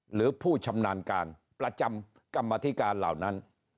หรือผู้ชำนาญการประจำกรรมธิการเหล่านั้น